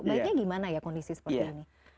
baiknya gimana ya kondisi seperti ini